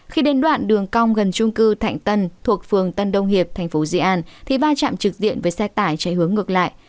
khi đến đoạn đường cong gần trung cư thạnh tân thuộc phường tân đông hiệp thành phố dị an thì va chạm trực diện với xe tải chạy hướng ngược lại